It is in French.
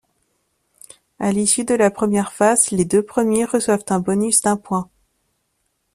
À l'issue de la première phase, les deux premiers reçoivent un bonus d'un point.